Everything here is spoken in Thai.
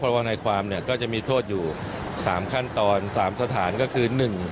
เพราะว่าในความเนี่ยก็จะมีโทษอยู่๓ขั้นตอน๓สถานก็คือ